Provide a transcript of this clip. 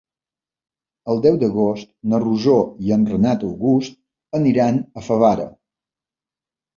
El deu d'agost na Rosó i en Renat August aniran a Favara.